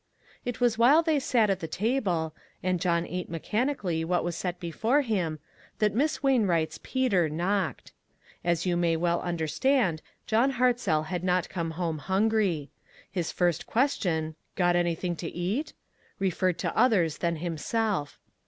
It was while they sat at the table, and John ate mechanically what was set before him, that Miss Wainwright's Peter knocked. As you may well understand, John Hart zell had not come home hungry. His first question, "Got anything to eat?" referred to others than himself.